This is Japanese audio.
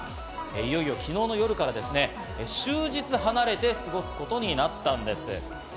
いよいよ昨日の夜からですね、終日離れて過ごすことになったんです。